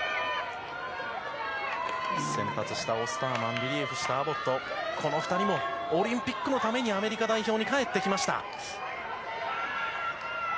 先発したオスターマン、リリーフしたアボット、この２人もオリンピックのために、アメリカ代表に帰ってきました。